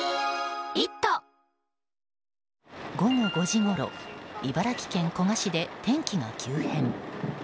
午後５時ごろ茨城県古河市で天気の急変。